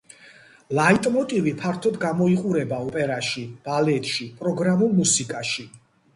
ლაიტმოტივი ფართოდ გამოიყურება ოპერაში, ბალეტში, პროგრამულ მუსიკაში.